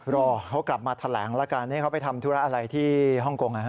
รอเขากลับมาแถลงแล้วกันเขาไปทำธุระอะไรที่ฮ่องกง